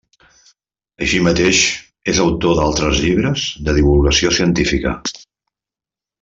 Així mateix, és autor d'altres llibres de divulgació científica.